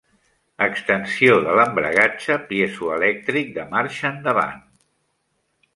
Extensió de l'embragatge piezoelèctric de marxa endavant.